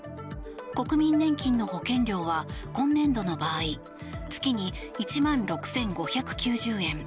国民年金の保険料は今年度の場合月に１万６５９０円。